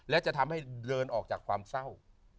และจะทำให้เดินออกจากความเศร้า